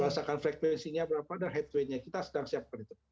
berdasarkan frekuensinya berapa dan headway nya kita sedang siapkan itu